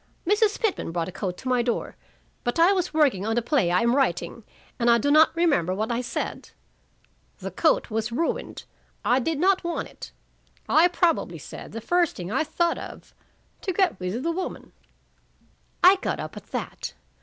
Mrs. Pitman brought a coat to my door, but I was working on a play I am writing, and I do not remember what I said. The coat was ruined. I did not want it. I probably said the first thing I thought of to get rid of the woman." I got up at that.